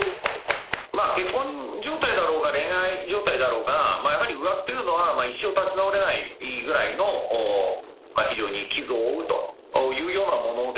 まあ結婚状態だろうが恋愛状態だろうがやはり浮気というのは一生立ち直れないぐらいの非常に傷を負うというようなものであって。